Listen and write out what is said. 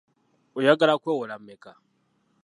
Oyagala kwewola mmeka?